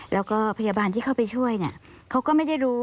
แล้วก็พยาบาลที่เข้าไปช่วยเนี่ยเขาก็ไม่ได้รู้